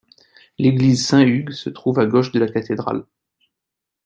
L’église Saint-Hugues se trouve à gauche de la cathédrale.